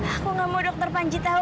aku gak mau dokter panji tahu